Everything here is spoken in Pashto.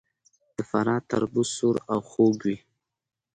د فراه تربوز سور او خوږ وي.